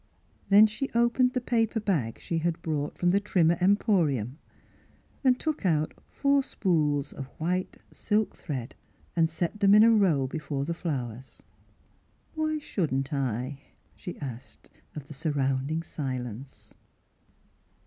Then she opened the paper bag she had brought from the Trimmer Em porium, and took out four spools of white silk thread and set them in a row before the flowers. Miss Philura's Wedding Gown "Why shouldn't I? " she asked of the surrounding silence.